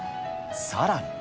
さらに。